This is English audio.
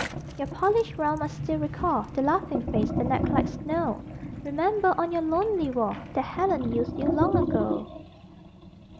Your polished round must still recall The laughing face, the neck like snow Remember, on your lonely wall, That Helen used you long ago!